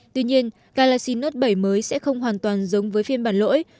tuy nhiên galaxy note bảy mới sẽ không hoàn toàn giống với phiên bản lỗi